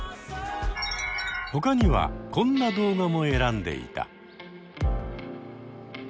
ほかにはこんな動画も選んでいた。